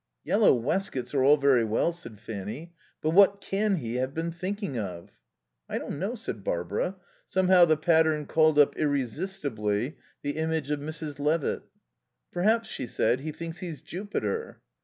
"Yellow waistcoats are all very well," said Fanny. "But what can he have been thinking of?" "I don't know," said Barbara. Somehow the pattern called up, irresistibly, the image of Mrs. Levitt. "Perhaps," she said, "he thinks he's Jupiter."